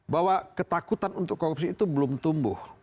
bahwa ketakutan untuk korupsi itu belum tumbuh